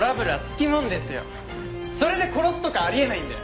それで殺すとかあり得ないんで。